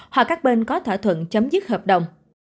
hoặc các bên có thỏa thuận chấm dứt hợp đồng